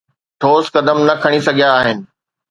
ٺوس قدم نه کڻي سگهيا آهن